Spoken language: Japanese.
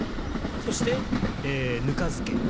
そして、ぬか漬け。